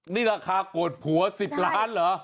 นี่ราคาโกรธผัว๑๐ล้านเหรอ